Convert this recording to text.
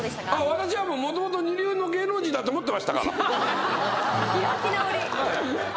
私はもともと二流の芸能人だと思ってましたからははははっ